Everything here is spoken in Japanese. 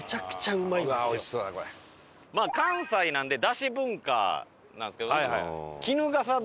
関西なんで出汁文化なんですけど。